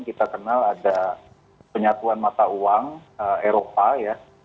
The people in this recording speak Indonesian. kita kenal ada penyatuan mata uang eropa ya